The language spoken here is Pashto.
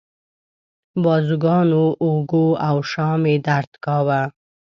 بازوګانو، اوږو او شا مې درد کاوه.